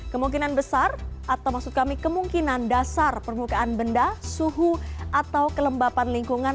kemungkinan besar atau maksud kami kemungkinan dasar permukaan benda suhu atau kelembapan lingkungan